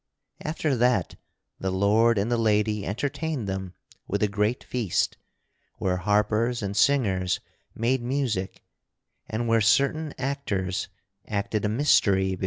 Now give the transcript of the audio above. After that the lord and the lady entertained them with a great feast, where harpers and singers made music, and where certain actors acted a mystery before them.